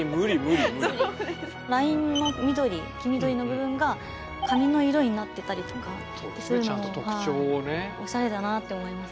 ラインの緑黄緑の部分が髪の色になってたりとかってするのもおしゃれだなって思いました。